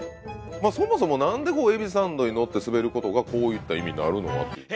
そもそも何でエビサンドに乗ってすべることがこういった意味になるのかという。